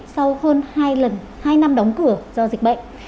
sau hơn hai năm đóng cửa do dịch bệnh